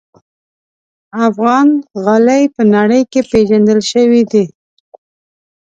افغان غالۍ په نړۍ کې پېژندل شوي دي.